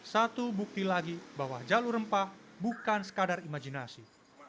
satu bukti lagi bahwa jalur rempah bukan sekadar imajinasi